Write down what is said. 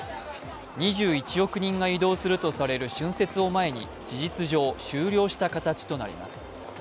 ２１億人が移動するとされる春節を前に、事実上、終了した形となります。